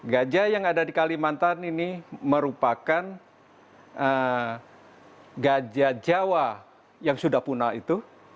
gajah yang ada di kalimantan ini merupakan gajah jawa yang sudah punah itu